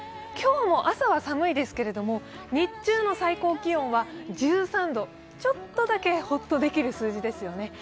今日も朝は寒いですけれども日中の最高気温は１３度、ちょっとだけホッとできる数字ですよね。